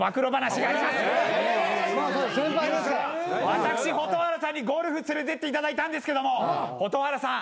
私蛍原さんにゴルフ連れてっていただいたんですけど蛍原さん